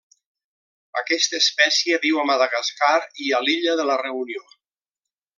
Aquesta espècie viu a Madagascar i a l'Illa de la Reunió.